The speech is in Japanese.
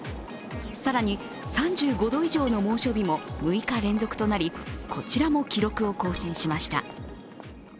更に、３５度以上の猛暑日も６日連続となり、こちらも記録を更新しました。